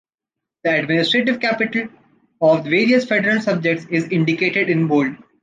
The administrative capital of the various federal subjects is indicated in bold.